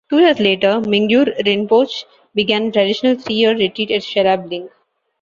Two years later, Mingyur Rinpoche began a traditional three-year retreat at Sherab Ling.